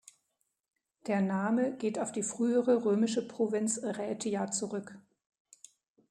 Der Name geht auf die frühere römische Provinz Raetia zurück.